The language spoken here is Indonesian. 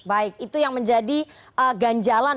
baik itu yang menjadi ganjalan